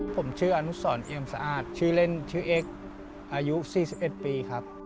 ผมชื่ออนุสรเอียมสะอาดชื่อเล่นชื่อเอ็กซ์อายุ๔๑ปีครับ